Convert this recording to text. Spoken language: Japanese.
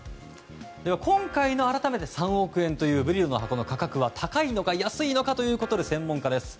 今回の３億円という「ブリロの箱」の価格は高いのか、安いのかということで専門家です。